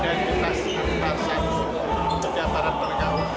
dan terkawal dengan gugna guna segini supaya mengeksekusi program itu jangan raku raku lagi